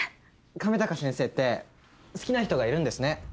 亀高先生って好きな人がいるんですね。